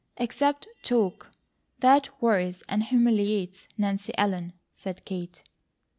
"Except TALK, that worries and humiliates Nancy Ellen," said Kate.